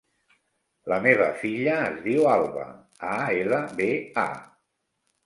La meva filla es diu Alba: a, ela, be, a.